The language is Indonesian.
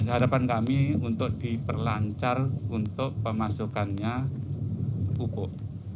harapan kami untuk diperlancar untuk pemasukannya pupuk